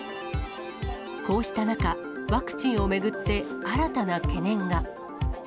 こうした中、ワクチンを巡って、新たな懸念が。